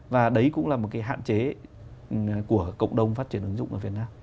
và đấy cũng là một cái hạn chế của cộng đồng phát triển ứng dụng ở việt nam